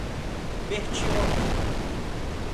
Bertioga